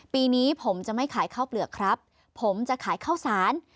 ปีนี้ผมจะไม่ขายข้าวเปลือกครับผมจะขายข้าวสาร